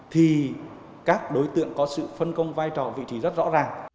thì các đối tượng có sự phân công vai trò vị trí rất rõ ràng